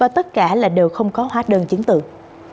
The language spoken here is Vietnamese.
tất cả là đều không có hóa đơn chứng tự